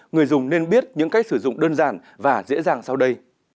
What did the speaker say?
người dùng nên biết những cách sử dụng đơn giản và dễ dàng sau đây